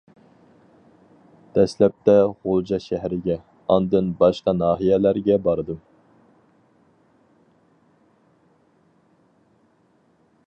دەسلەپتە غۇلجا شەھىرىگە، ئاندىن باشقا ناھىيەلەرگە باردىم.